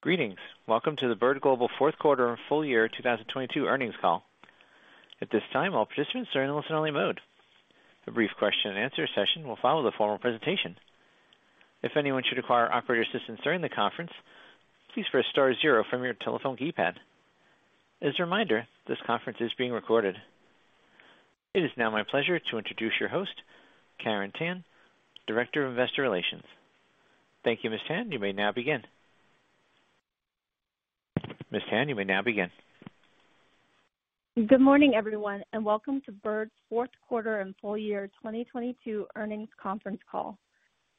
Greetings. Welcome to the Bird Global Fourth Quarter and Full Year 2022 earnings call. At this time, all participants are in listen-only mode. A brief question-and-answer session will follow the formal presentation. If anyone should require operator assistance during the conference, please press star zero from your telephone keypad. As a reminder, this conference is being recorded. It is now my pleasure to introduce your host, Karen Tan, Director of Investor Relations. Thank you, Ms. Tan. You may now begin. Good morning, everyone, and welcome to Bird's fourth quarter and full year 2022 earnings conference call.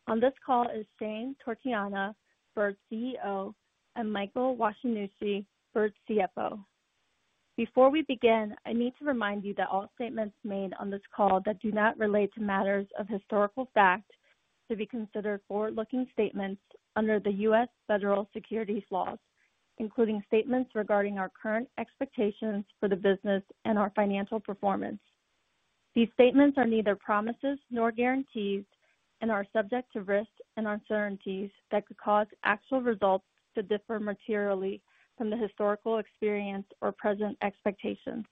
On this call is Shane Torchiana, Bird's CEO, and Michael Washinushi, Bird's CFO. Before we begin, I need to remind you that all statements made on this call that do not relate to matters of historical fact to be considered forward-looking statements under the U.S. federal securities laws, including statements regarding our current expectations for the business and our financial performance. These statements are neither promises nor guarantees and are subject to risks and uncertainties that could cause actual results to differ materially from the historical experience or present expectations.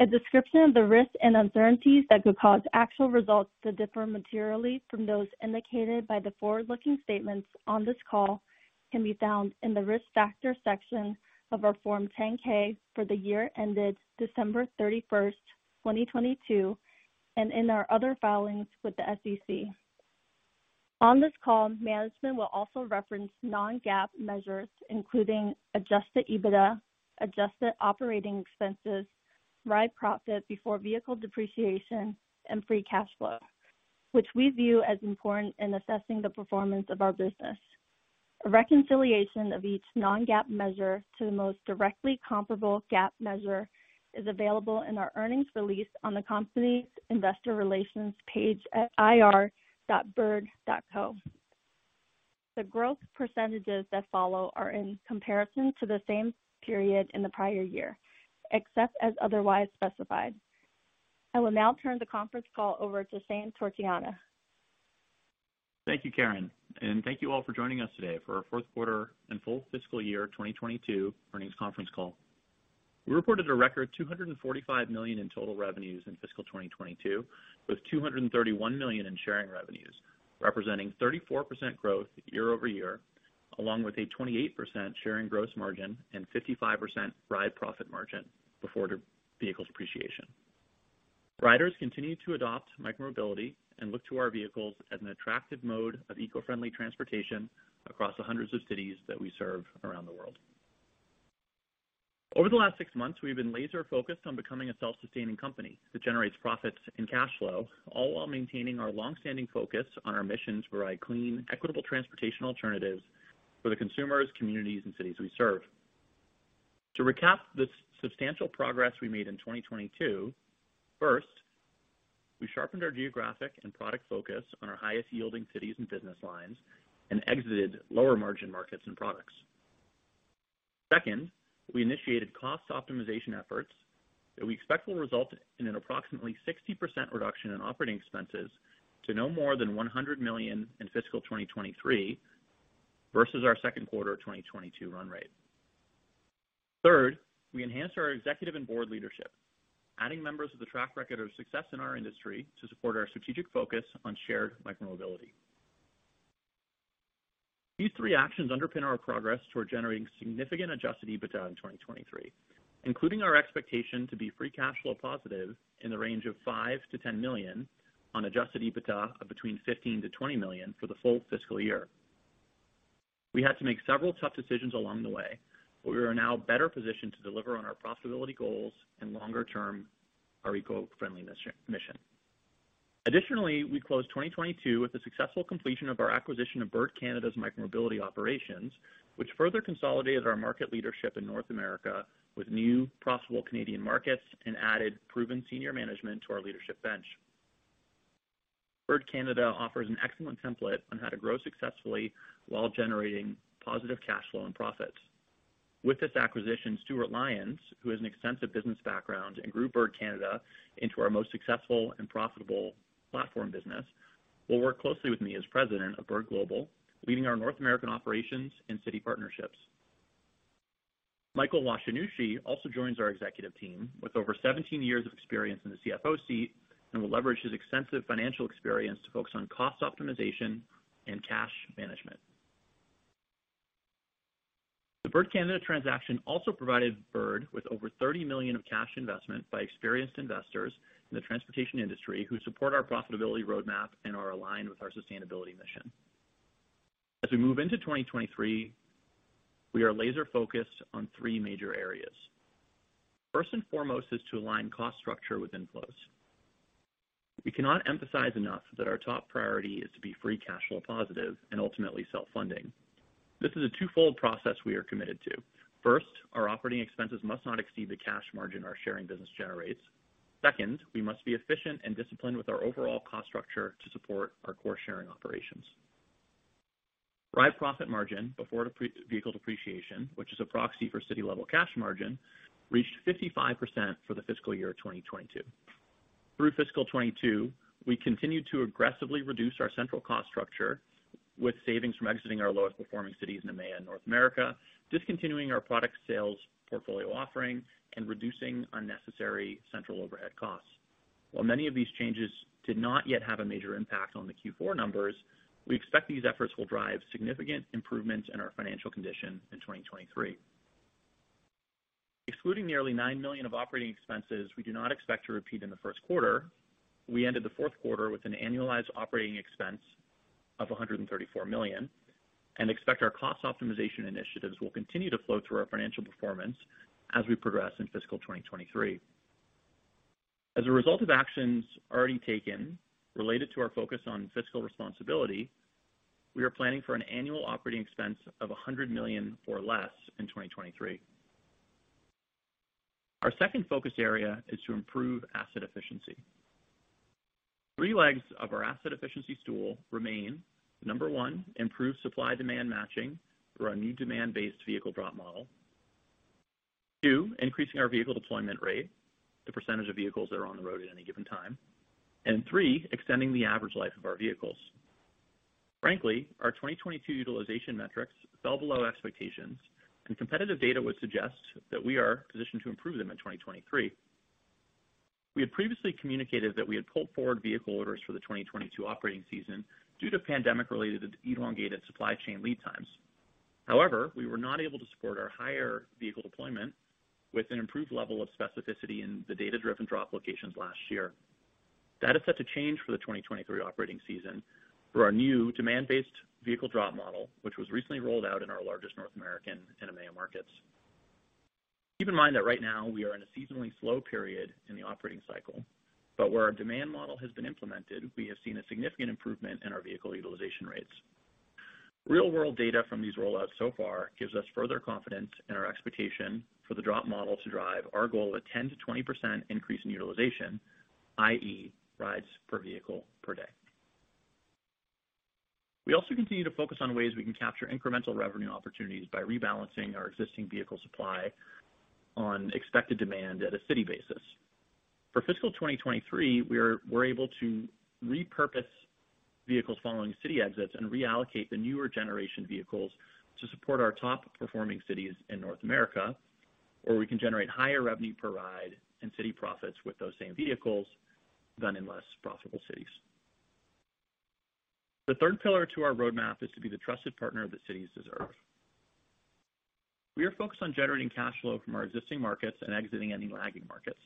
A description of the risks and uncertainties that could cause actual results to differ materially from those indicated by the forward-looking statements on this call can be found in the Risk Factor section of our Form 10-K for the year ended December 31st, 2022, and in our other filings with the SEC. On this call, management will also reference non-GAAP measures, including Adjusted EBITDA, adjusted operating expenses, Ride Profit before Vehicle Depreciation, and free cash flow, which we view as important in assessing the performance of our business. A reconciliation of each non-GAAP measure to the most directly comparable GAAP measure is available in our earnings release on the company's investor relations page at ir.bird.co. The growth percentage that follow are in comparison to the same period in the prior year, except as otherwise specified. I will now turn the conference call over to Shane Torchiana. Thank you, Karen, and thank you all for joining us today for our fourth quarter and full fiscal year 2022 earnings conference call. We reported a record $245 million in total revenues in fiscal 2022, with $231 million in sharing revenues, representing 34% growth year-over-year, along with a 28% sharing gross margin and 55% Ride Profit before Vehicle Depreciation. Riders continue to adopt micromobility and look to our vehicles as an attractive mode of eco-friendly transportation across the hundreds of cities that we serve around the world. Over the last six months, we've been laser-focused on becoming a self-sustaining company that generates profits and cash flow, all while maintaining our long-standing focus on our missions to provide clean, equitable transportation alternatives for the consumers, communities, and cities we serve. To recap the substantial progress we made in 2022, first, we sharpened our geographic and product focus on our highest-yielding cities and business lines and exited lower-margin markets and products. Second, we initiated cost optimization efforts that we expect will result in an approximately 60% reduction in OpEx to no more than $100 million in fiscal 2023 versus our second quarter 2022 run rate. Third, we enhanced our executive and board leadership, adding members with a track record of success in our industry to support our strategic focus on shared micromobility. These three actions underpin our progress toward generating significant Adjusted EBITDA in 2023, including our expectation to be free cash flow positive in the range of $5 million-$10 million on Adjusted EBITDA of between $15 million-$20 million for the full fiscal year. We had to make several tough decisions along the way, but we are now better positioned to deliver on our profitability goals and longer-term, our eco-friendliness mission. Additionally, we closed 2022 with the successful completion of our acquisition of Bird Canada's micromobility operations, which further consolidated our market leadership in North America with new profitable Canadian markets and added proven senior management to our leadership bench. Bird Canada offers an excellent template on how to grow successfully while generating positive cash flow and profits. With this acquisition, Stewart Lyons, who has an extensive business background and grew Bird Canada into our most successful and profitable platform business, will work closely with me as President of Bird Global, leading our North American operations and city partnerships. Michael Washinushi also joins our executive team with over 17 years of experience in the CFO seat and will leverage his extensive financial experience to focus on cost optimization and cash management. The Bird Canada transaction also provided Bird with over $30 million of cash investment by experienced investors in the transportation industry who support our profitability roadmap and are aligned with our sustainability mission. As we move into 2023, we are laser-focused on three major areas. First and foremost is to align cost structure with inflows. We cannot emphasize enough that our top priority is to be free cash flow positive and ultimately self-funding. This is a twofold process we are committed to. First, our operating expenses must not exceed the cash margin our sharing business generates. Second, we must be efficient and disciplined with our overall cost structure to support our core sharing operations. Ride Profit before Vehicle Depreciation, which is a proxy for city-level cash margin, reached 55% for the fiscal year 2022. Through fiscal 2022, we continued to aggressively reduce our central cost structure with savings from exiting our lowest performing cities in EMEA and North America, discontinuing our product sales portfolio offering and reducing unnecessary central overhead costs. Many of these changes did not yet have a major impact on the Q4 numbers, we expect these efforts will drive significant improvements in our financial condition in 2023. Excluding nearly $9 million of OpEx, we do not expect to repeat in the first quarter. We ended the fourth quarter with an annualized OpEx of $134 million and expect our cost optimization initiatives will continue to flow through our financial performance as we progress in fiscal 2023. As a result of actions already taken related to our focus on fiscal responsibility, we are planning for an annual OpEx of $100 million or less in 2023. Our second focus area is to improve asset efficiency. Three legs of our asset efficiency stool remain. Number one, improve supply-demand matching through our new demand-based vehicle drop model. two, increasing our vehicle deployment rate, the % of vehicles that are on the road at any given time. And three, extending the average life of our vehicles. Frankly, our 2022 utilization metrics fell below expectations, and competitive data would suggest that we are positioned to improve them in 2023. We had previously communicated that we had pulled forward vehicle orders for the 2022 operating season due to pandemic-related elongated supply chain lead times. We were not able to support our higher vehicle deployment with an improved level of specificity in the data-driven drop locations last year. That is set to change for the 2023 operating season for our new demand-based vehicle drop model, which was recently rolled out in our largest North American and EMEA markets. Keep in mind that right now we are in a seasonally slow period in the operating cycle, but where our demand model has been implemented, we have seen a significant improvement in our vehicle utilization rates. Real-world data from these rollouts so far gives us further confidence in our expectation for the drop model to drive our goal of a 10%-20% increase in utilization, i.e., rides per vehicle per day. We also continue to focus on ways we can capture incremental revenue opportunities by rebalancing our existing vehicle supply on expected demand at a city basis. For fiscal 2023, we're able to repurpose vehicles following city exits and reallocate the newer generation vehicles to support our top-performing cities in North America, where we can generate higher revenue per ride and city profits with those same vehicles than in less profitable cities. The third pillar to our roadmap is to be the trusted partner that cities deserve. We are focused on generating cash flow from our existing markets and exiting any lagging markets.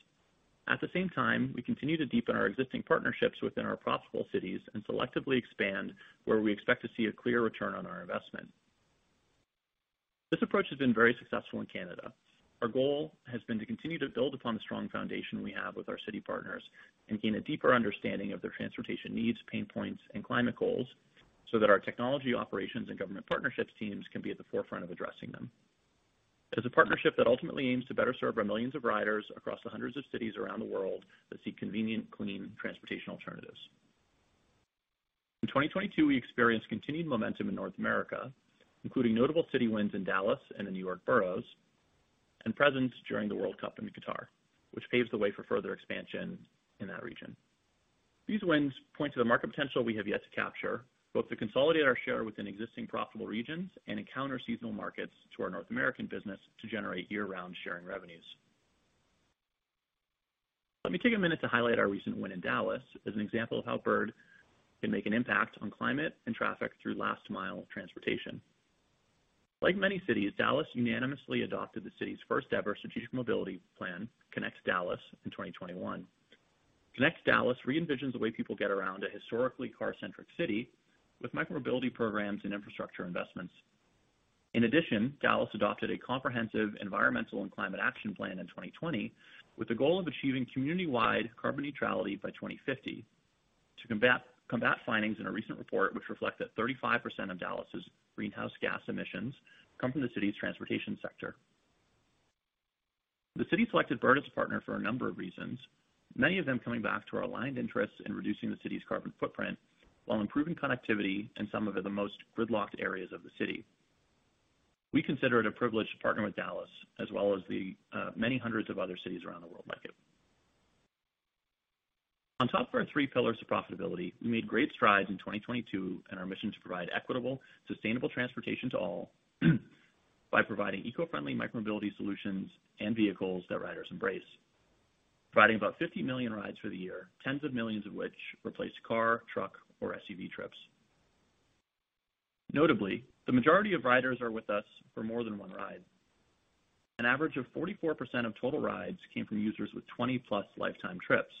We continue to deepen our existing partnerships within our profitable cities and selectively expand where we expect to see a clear return on our investment. This approach has been very successful in Canada. Our goal has been to continue to build upon the strong foundation we have with our city partners and gain a deeper understanding of their transportation needs, pain points and climate goals, so that our technology operations and government partnerships teams can be at the forefront of addressing them. As a partnership that ultimately aims to better serve our millions of riders across the hundreds of cities around the world that seek convenient, clean transportation alternatives. In 2022, we experienced continued momentum in North America, including notable city wins in Dallas and the New York boroughs and presence during the World Cup in Qatar, which paves the way for further expansion in that region. These wins point to the market potential we have yet to capture, both to consolidate our share within existing profitable regions and encounter seasonal markets to our North American business to generate year-round sharing revenues. Let me take a minute to highlight our recent win in Dallas as an example of how Bird can make an impact on climate and traffic through last-mile transportation. Like many cities, Dallas unanimously adopted the city's first-ever Strategic Mobility Plan, Connect Dallas, in 2021. Connect Dallas re-envisions the way people get around a historically car-centric city with micromobility programs and infrastructure investments. In addition, Dallas adopted a comprehensive environmental and climate action plan in 2020, with the goal of achieving community-wide carbon neutrality by 2050 to combat findings in a recent report, which reflect that 35% of Dallas's greenhouse gas emissions come from the city's transportation sector. The city selected Bird as a partner for a number of reasons, many of them coming back to our aligned interests in reducing the city's carbon footprint while improving connectivity in some of the most gridlocked areas of the city. We consider it a privilege to partner with Dallas as well as the many hundreds of other cities around the world like it. On top of our three pillars of profitability, we made great strides in 2022 in our mission to provide equitable, sustainable transportation to all by providing eco-friendly micromobility solutions and vehicles that riders embrace. Providing about 50 million rides for the year, tens of millions of which replaced car, truck, or SUV trips. Notably, the majority of riders are with us for more than one ride. An average of 44% of total rides came from users with 20+ lifetime trips.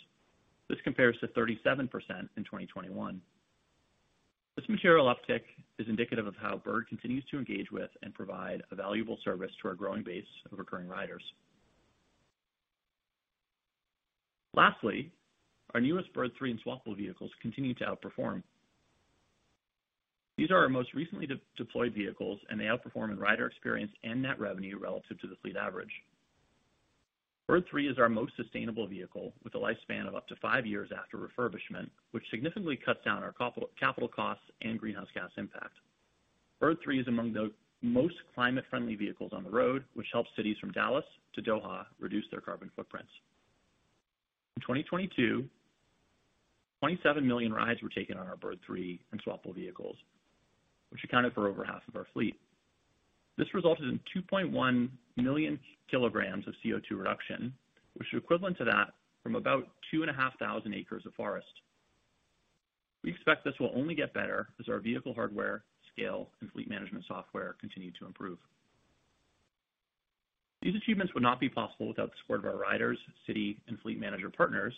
This compares to 37% in 2021. This material uptick is indicative of how Bird continues to engage with and provide a valuable service to our growing base of recurring riders. Lastly, our newest Bird Three and Swappable vehicles continue to outperform. These are our most recently de-deployed vehicles, and they outperform in rider experience and net revenue relative to the fleet average. Bird Three is our most sustainable vehicle, with a lifespan of up to five years after refurbishment, which significantly cuts down our capital costs and greenhouse gas impact. Bird Three is among the most climate friendly vehicles on the road, which helps cities from Dallas to Doha reduce their carbon footprints. In 2022, 27 million rides were taken on our Bird Three and swappable vehicles, which accounted for over half of our fleet. This resulted in 2.1 million kg of CO₂ reduction, which is equivalent to that from about 2,500 ac of forest. We expect this will only get better as our vehicle hardware, scale, and fleet management software continue to improve. These achievements would not be possible without the support of our riders, city and fleet manager partners,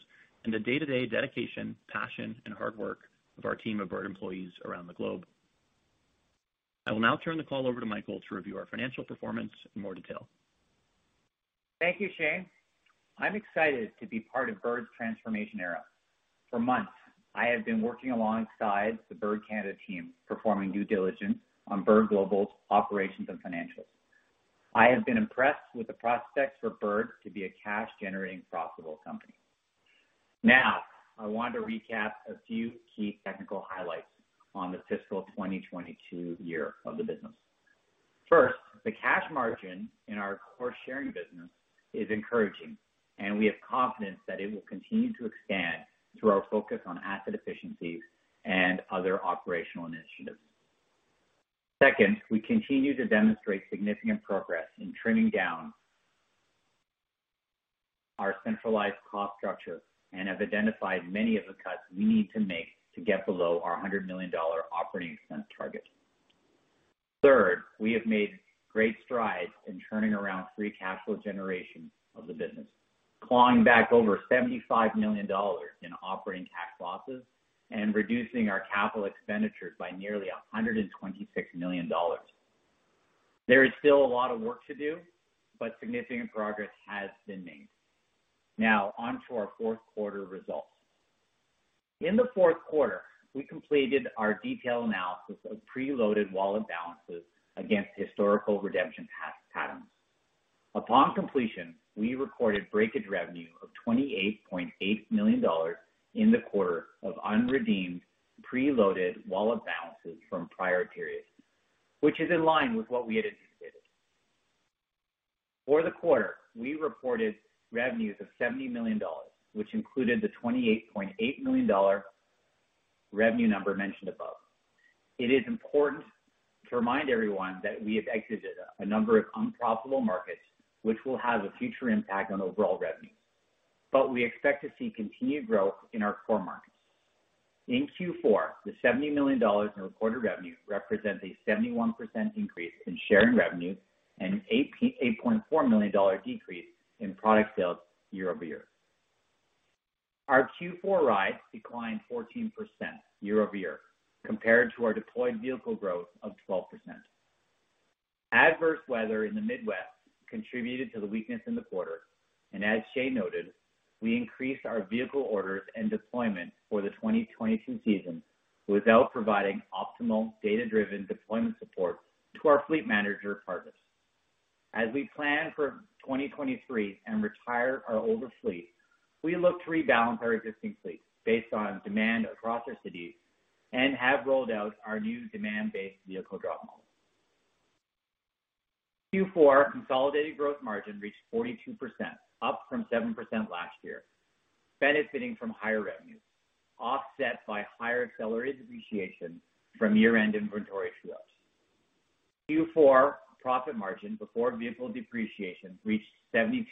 and the day-to-day dedication, passion, and hard work of our team of Bird employees around the globe. I will now turn the call over to Michael to review our financial performance in more detail. Thank you, Shane. I'm excited to be part of Bird's transformation era. For months, I have been working alongside the Bird Canada team, performing due diligence on Bird Global's operations and financials. I have been impressed with the prospects for Bird to be a cash-generating profitable company. I want to recap a few key technical highlights on the fiscal 2022 year of the business. First, the cash margin in our core sharing business is encouraging, and we have confidence that it will continue to expand through our focus on asset efficiencies and other operational initiatives. Second, we continue to demonstrate significant progress in trimming down our centralized cost structure and have identified many of the cuts we need to make to get below our $100 million OpEx target. We have made great strides in turning around free cash flow generation of the business, clawing back over $75 million in operating tax losses and reducing our capital expenditures by nearly $126 million. There is still a lot of work to do, significant progress has been made. In the fourth quarter, we completed our detailed analysis of preloaded wallet balances against historical redemption patterns. Upon completion, we recorded breakage revenue of $28.8 million in the quarter of unredeemed preloaded wallet balances from prior periods, which is in line with what we had anticipated. For the quarter, we reported revenues of $70 million, which included the $28.8 million revenue number mentioned above. It is important to remind everyone that we have exited a number of unprofitable markets which will have a future impact on overall revenue, but we expect to see continued growth in our core markets. In Q4, the $70 million in recorded revenue represents a 71% increase in sharing revenue and $8.4 million decrease in product sales year-over-year. Our Q4 rides declined 14% year-over-year compared to our deployed vehicle growth of 12%. Adverse weather in the Midwest contributed to the weakness in the quarter. As Shane noted, we increased our vehicle orders and deployment for the 2022 season without providing optimal data-driven deployment support to our fleet manager partners. As we plan for 2023 and retire our older fleet, we look to rebalance our existing fleet based on demand across our cities and have rolled out our new demand-based vehicle drop model. Q4 consolidated gross margin reached 42%, up from 7% last year, benefiting from higher revenues, offset by higher accelerated depreciation from year-end inventory true-ups. Q4 Ride Profit before Vehicle Depreciation reached 72%,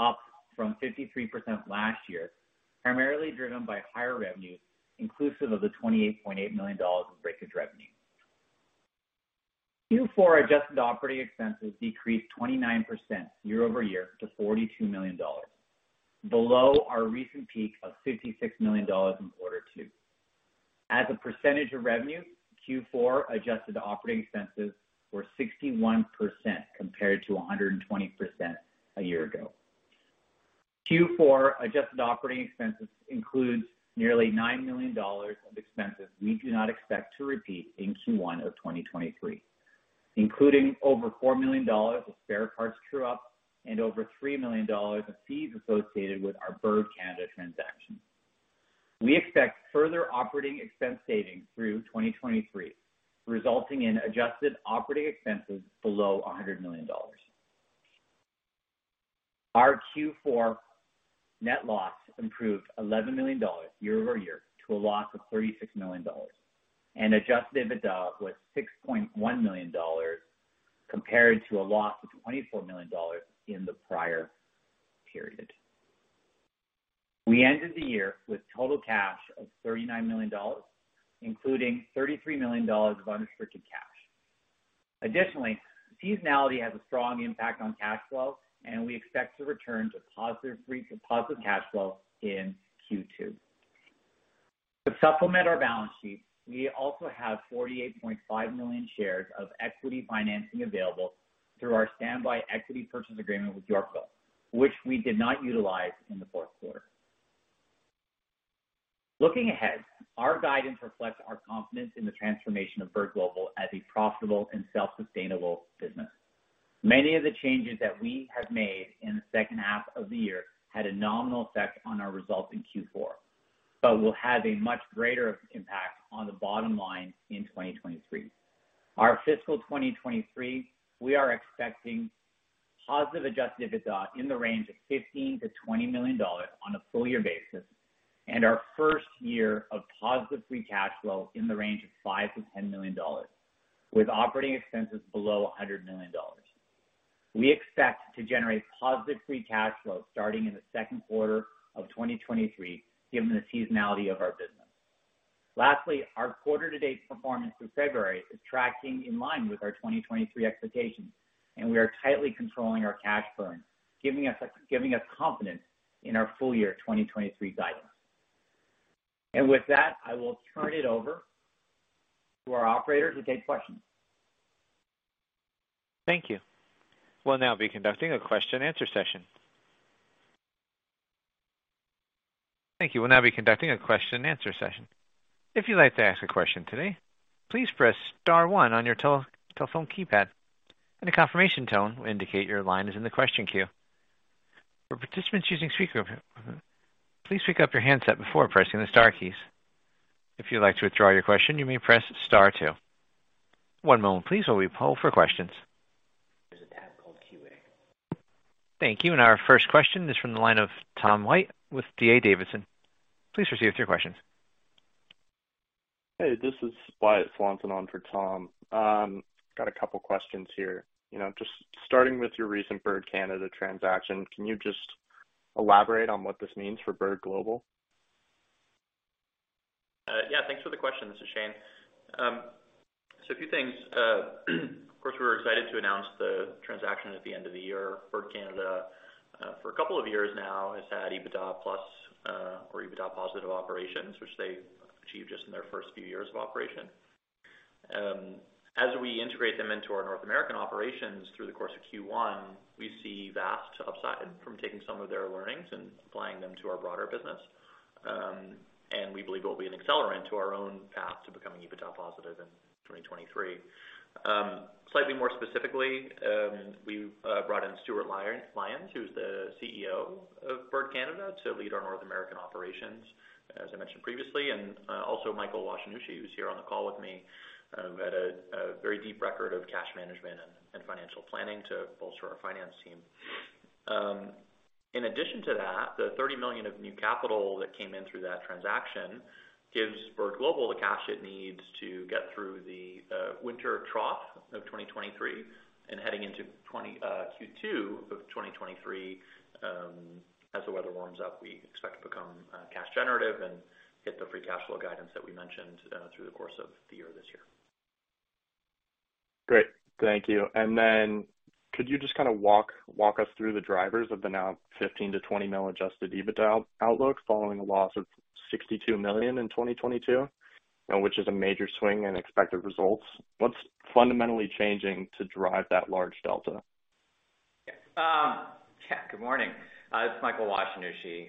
up from 53% last year, primarily driven by higher revenues, inclusive of the $28.8 million in breakage revenue. Q4 Adjusted Operating Expenses decreased 29% year-over-year to $42 million, below our recent peak of $56 million in Q2. As a percentage of revenue, Q4 Adjusted Operating Expenses were 61% compared to 120% a year ago. Q4 Adjusted operating expenses includes nearly $9 million of expenses we do not expect to repeat in Q1 of 2023, including over $4 million of spare parts true-up and over $3 million of fees associated with our Bird Canada transaction. We expect further operating expense savings through 2023, resulting in Adjusted operating expenses below $100 million. Our Q4 net loss improved $11 million year-over-year to a loss of $36 million, and Adjusted EBITDA was $6.1 million compared to a loss of $24 million in the prior period. We ended the year with total cash of $39 million, including $33 million of unrestricted cash. Seasonality has a strong impact on cash flow, and we expect to return to positive cash flow in Q2. To supplement our balance sheet, we also have 48.5 million shares of equity financing available through our Standby Equity Purchase Agreement with Yorkville, which we did not utilize in the fourth quarter. Looking ahead, our guidance reflects our confidence in the transformation of Bird Global as a profitable and self-sustainable business. Many of the changes that we have made in the second half of the year had a nominal effect on our results in Q4, but will have a much greater impact on the bottom line in 2023. Our fiscal 2023, we are expecting positive Adjusted EBITDA in the range of $15 million-$20 million on a full year basis, and our first year of positive free cash flow in the range of $5 million-$10 million, with operating expenses below $100 million. We expect to generate positive free cash flow starting in the second quarter of 2023, given the seasonality of our business. Our quarter to date performance through February is tracking in line with our 2023 expectations, and we are tightly controlling our cash burn, giving us confidence in our full year 2023 guidance. With that, I will turn it over to our operator to take questions. Thank you. We'll now be conducting a question and answer session. If you'd like to ask a question today, please press star one on your telephone keypad, and a confirmation tone will indicate your line is in the question queue. For participants using speakerphone, please pick up your handset before pressing the star keys. If you'd like to withdraw your question, you may press star two. One moment please, while we poll for questions. There's a tab called QA. Thank you. Our first question is from the line of Tom White with D.A. Davidson. Please proceed with your questions. Hey, this is Wyatt Swanson on for Tom. Got a couple questions here. You know, just starting with your recent Bird Canada transaction, can you just elaborate on what this means for Bird Global? Yeah, thanks for the question. This is Shane. A few things. Of course, we were excited to announce the transaction at the end of the year. Bird Canada, for a couple of years now, has had EBITDA plus, or EBITDA positive operations, which they achieved just in their first few years of operation. As we integrate them into our North American operations through the course of Q1, we see vast upside from taking some of their learnings and applying them to our broader business. We believe it will be an accelerant to our own path to becoming EBITDA positive in 2023. Slightly more specifically, we brought in Stewart Lyons, who's the CEO of Bird Canada, to lead our North American operations, as I mentioned previously. Also Michael Washinushi, who's here on the call with me, who had a very deep record of cash management and financial planning to bolster our finance team. In addition to that, the $30 million of new capital that came in through that transaction gives Bird Global the cash it needs to get through the winter trough of 2023 and heading into Q2 of 2023. As the weather warms up, we expect to become cash generative and hit the free cash flow guidance that we mentioned through the course of the year this year. Great. Thank you. Could you just kinda walk us through the drivers of the now $15 million-$20 million Adjusted EBITDA outlook following a loss of $62 million in 2022, you know, which is a major swing in expected results? What's fundamentally changing to drive that large delta? Good morning. It's Michael Washinushi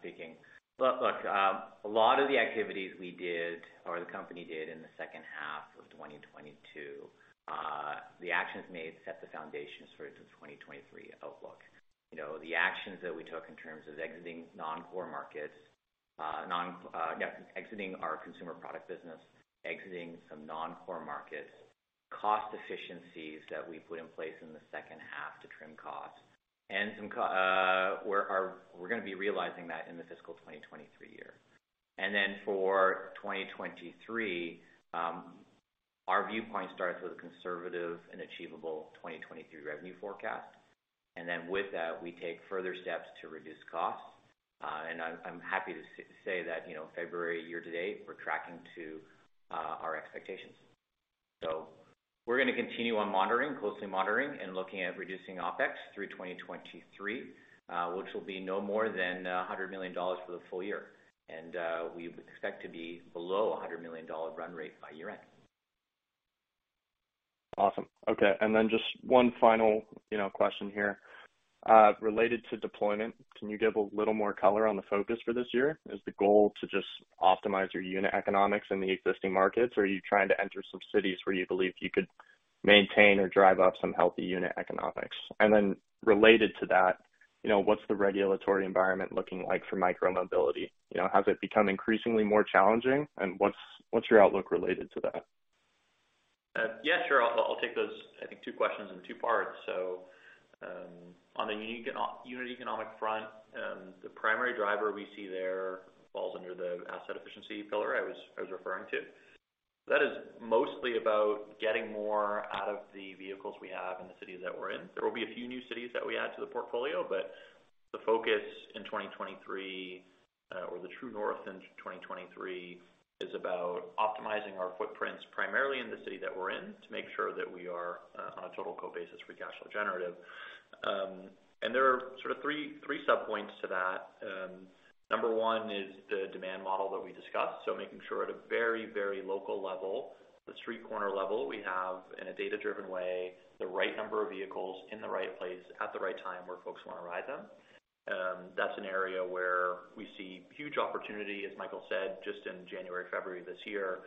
speaking. Look, a lot of the activities we did or the company did in the second half of 2022, the actions made set the foundation for the 2023 outlook. You know, the actions that we took in terms of exiting non-core markets, exiting our consumer product business, exiting some non-core markets, cost efficiencies that we put in place in the second half to trim costs and we're gonna be realizing that in the fiscal 2023 year. For 2023, our viewpoint starts with a conservative and achievable 2023 revenue forecast. With that, we take further steps to reduce costs. I'm happy to say that, you know, February year to date, we're tracking to our expectations. We're going to continue on monitoring, closely monitoring and looking at reducing OpEx through 2023, which will be no more than $100 million for the full year. We expect to be below $100 million run rate by year-end. Awesome. Okay. Just one final, you know, question here. Related to deployment, can you give a little more color on the focus for this year? Is the goal to just optimize your unit economics in the existing markets, or are you trying to enter some cities where you believe you could maintain or drive up some healthy unit economics? Related to that, you know, what's the regulatory environment looking like for micromobility? You know, has it become increasingly more challenging? And what's your outlook related to that? Yeah, sure. I'll take those, I think two questions in two parts. On a unit economic front, the primary driver we see there falls under the asset efficiency pillar I was referring to. That is mostly about getting more out of the vehicles we have in the cities that we're in. There will be a few new cities that we add to the portfolio, but the focus in 2023, or the true north in 2023, is about optimizing our footprints primarily in the city that we're in to make sure that we are on a total co-basis for cash flow generative. There are sort of three sub points to that. Number one is the demand model that we discussed. Making sure at a very, very local level, the street corner level, we have in a data-driven way, the right number of vehicles in the right place at the right time where folks wanna ride them. That's an area where we see huge opportunity, as Michael said, just in January, February this year.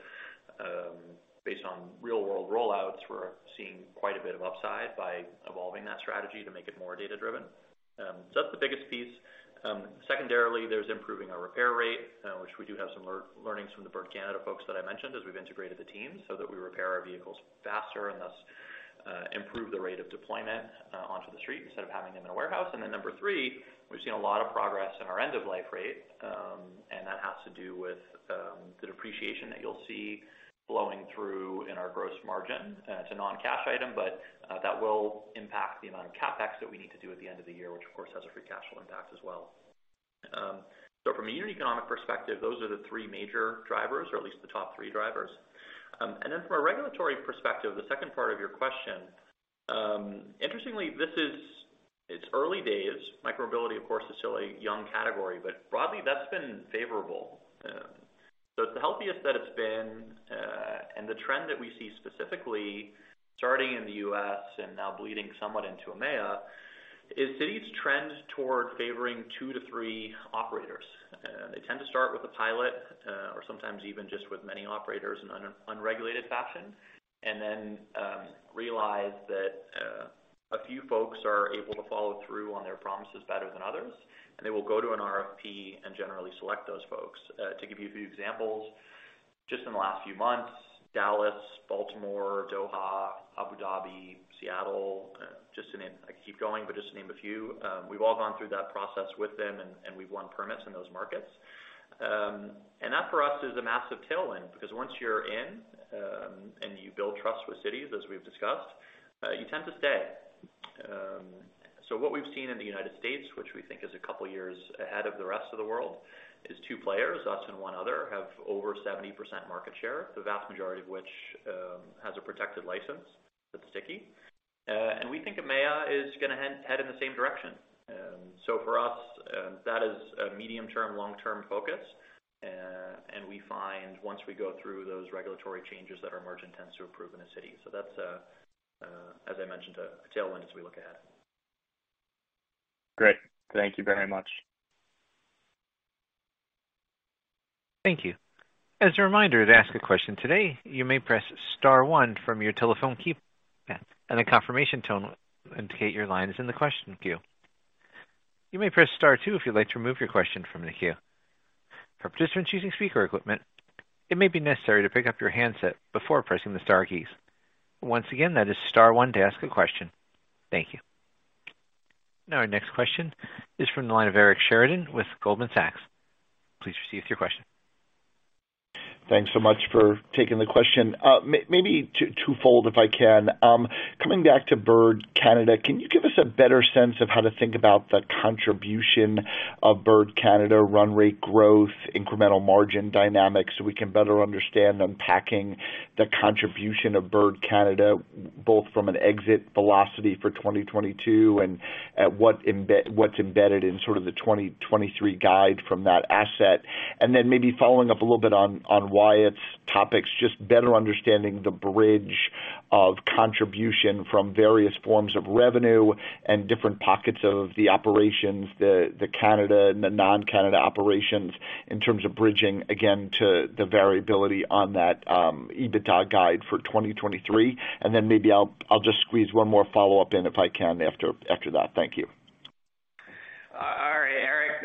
Based on real world rollouts, we're seeing quite a bit of upside by evolving that strategy to make it more data-driven. That's the biggest piece. Secondarily, there's improving our repair rate, which we do have some learnings from the Bird Canada folks that I mentioned as we've integrated the teams so that we repair our vehicles faster and thus, improve the rate of deployment onto the street instead of having them in a warehouse. Number three, we've seen a lot of progress in our end-of-life rate, and that has to do with the depreciation that you'll see flowing through in our gross margin. It's a non-cash item, that will impact the amount of CapEx that we need to do at the end of the year, which of course has a free cash flow impact as well. From a unit economic perspective, those are the three major drivers or at least the top three drivers. From a regulatory perspective, the 2nd part of your question, interestingly, it's early days. Micromobility, of course, is still a young category, but broadly that's been favorable. It's the healthiest that it's been, and the trend that we see specifically starting in the U.S. and now bleeding somewhat into EMEA is cities trend toward favoring two to three operators. They tend to start with a pilot, or sometimes even just with many operators in an unregulated fashion, and then realize that a few folks are able to follow through on their promises better than others. They will go to an RFP and generally select those folks. To give you a few examples, just in the last few months, Dallas, Baltimore, Doha, Abu Dhabi, Seattle, just to name. I could keep going, but just to name a few. We've all gone through that process with them and we've won permits in those markets. That for us is a massive tailwind because once you're in, and you build trust with cities, as we've discussed, you tend to stay. What we've seen in the United States, which we think is a couple of years ahead of the rest of the world, is two players, us and one other, have over 70% market share, the vast majority of which, has a protected license that's sticky. We think EMEA is gonna head in the same direction. For us, that is a medium-term, long-term focus. We find once we go through those regulatory changes that our margin tends to improve in a city. That's, as I mentioned, a tailwind as we look ahead. Great. Thank you very much. Thank you. As a reminder to ask a question today, you may press star one from your telephone keypad. A confirmation tone will indicate your line is in the question queue. You may press star two if you'd like to remove your question from the queue. For participants using speaker equipment, it may be necessary to pick up your handset before pressing the star keys. Once again, that is star one to ask a question. Thank you. Our next question is from the line of Eric Sheridan with Goldman Sachs. Please proceed with your question. Thanks so much for taking the question. maybe two-two-fold, if I can. Coming back to Bird Canada, can you give us a better sense of how to think about the contribution of Bird Canada, run rate growth, incremental margin dynamics, so we can better understand unpacking the contribution of Bird Canada, both from an exit velocity for 2022 and what's embedded in sort of the 2023 guide from that asset? Then maybe following up a little bit on Wyatt's topics, just better understanding the bridge of contribution from various forms of revenue and different pockets of the operations, the Canada and the non-Canada operations in terms of bridging again to the variability on that EBITDA guide for 2023. Then maybe I'll just squeeze one more follow-up in if I can after that. Thank you. All right, Eric.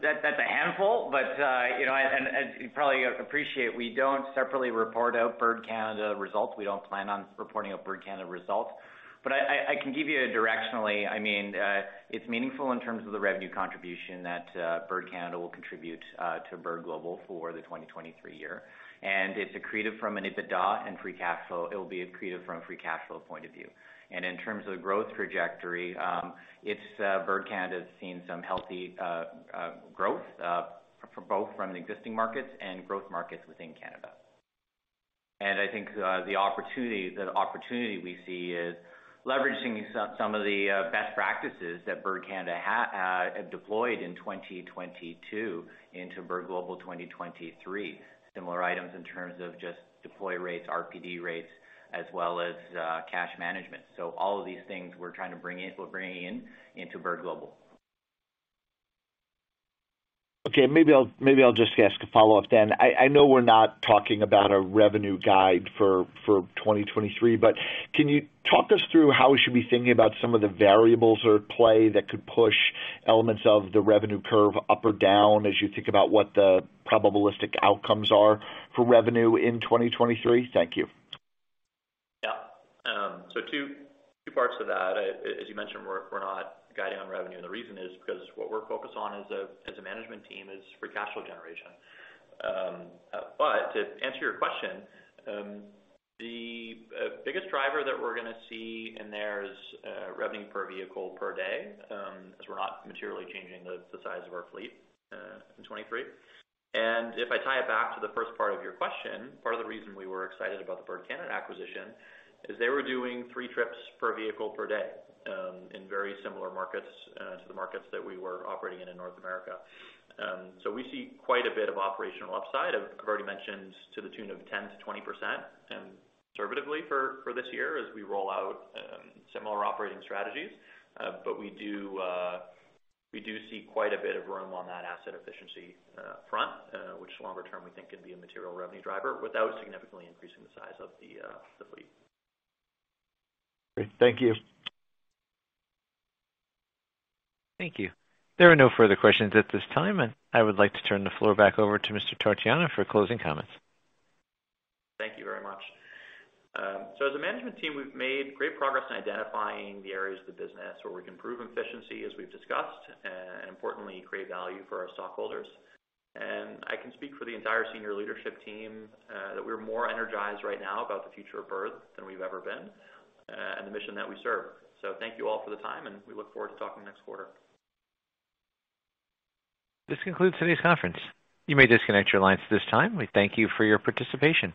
That's a handful, you know, and you probably appreciate we don't separately report out Bird Canada results. We don't plan on reporting out Bird Canada results. I can give you directionally. I mean, it's meaningful in terms of the revenue contribution that Bird Canada will contribute to Bird Global for the 2023 year. It's accretive from an EBITDA and free cash flow. It'll be accretive from a free cash flow point of view. In terms of the growth trajectory, it's Bird Canada's seen some healthy growth for both from an existing markets and growth markets within Canada. I think the opportunity we see is leveraging some of the best practices that Bird Canada deployed in 2022 into Bird Global 2023. Similar items in terms of just deploy rates, RPD rates, as well as cash management. All of these things we're bringing into Bird Global. Okay. Maybe I'll just ask a follow-up then. I know we're not talking about a revenue guide for 2023. Can you talk us through how we should be thinking about some of the variables at play that could push elements of the revenue curve up or down as you think about what the probabilistic outcomes are for revenue in 2023? Thank you. Yeah. Two, two parts to that. As you mentioned, we're not guiding on revenue. The reason is because what we're focused on as a management team is free cash flow generation. To answer your question, the biggest driver that we're gonna see in there is revenue per vehicle per day, as we're not materially changing the size of our fleet in 2023. If I tie it back to the first part of your question, part of the reason we were excited about the Bird Canada acquisition is they were doing three trips per vehicle per day, in very similar markets to the markets that we were operating in North America. We see quite a bit of operational upside. I've already mentioned to the tune of 10%-20% and conservatively for this year as we roll out similar operating strategies. We do see quite a bit of room on that asset efficiency front, which longer term we think could be a material revenue driver without significantly increasing the size of the fleet. Great. Thank you. Thank you. There are no further questions at this time, and I would like to turn the floor back over to Mr. Torchiana for closing comments. Thank you very much. As a management team, we've made great progress in identifying the areas of the business where we can improve efficiency, as we've discussed, and importantly, create value for our stockholders. I can speak for the entire senior leadership team, that we're more energized right now about the future of Bird than we've ever been, and the mission that we serve. Thank you all for the time, and we look forward to talking next quarter. This concludes today's conference. You may disconnect your lines at this time. We thank you for your participation.